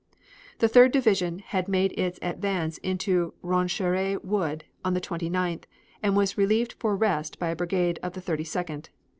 The Third Division had made its advance into Roncheres Wood on the 29th and was relieved for rest by a brigade of the Thirty second.